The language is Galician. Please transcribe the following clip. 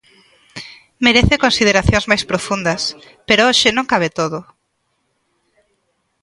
Merece consideracións máis profundas, pero hoxe non cabe todo.